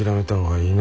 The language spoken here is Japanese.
はい。